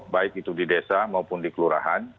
baik itu di desa maupun di kelurahan